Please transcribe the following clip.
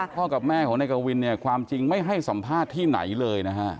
พ่อกับแม่ของนายกวินเนี่ยความจริงไม่ให้สัมภาษณ์ที่ไหนเลยนะฮะ